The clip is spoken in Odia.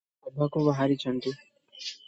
ସଞ୍ଜ ନ ବାଜୁଣୁ ସଭାକୁ ବାହାରିଛନ୍ତି ।